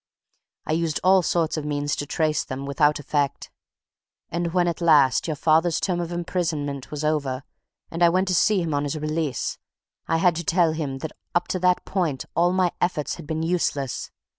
I used all sorts of means to trace them without effect. And when at last your father's term of imprisonment was over and I went to see him on his release, I had to tell him that up to that point all my efforts had been useless.